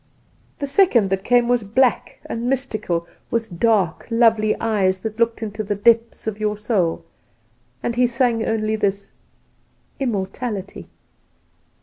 The second that came was black and mystical, with dark, lovely eyes, that looked into the depths of your soul, and he sang only this 'Immortality!